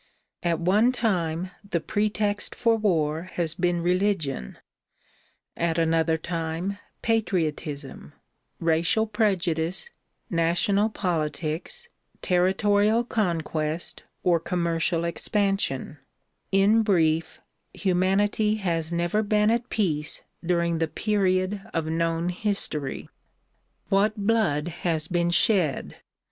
At one time the pretext for war has been religion, at another time patriotism, racial prejudice, national politics, terri torial conquest or commercial expansion; in brief, humanity has never been at peace during the period of known history. What DISCOURSES DELIVERED IN CLEVELAND 99 blood has been shed!